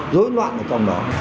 rối loạn ở trong đó